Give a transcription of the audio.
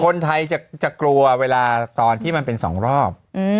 คนไทยจะกลัวเวลาตอนที่มันเป็น๒รอบ